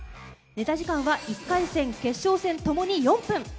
ネタ時間は１回戦、決勝戦ともに４分。